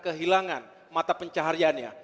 kehilangan mata pencahariannya